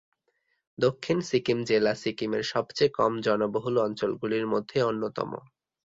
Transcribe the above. দক্ষিণ সিকিম জেলা সিকিমের সবচেয়ে কম জনবহুল অঞ্চলগুলির মধ্যে অন্যতম।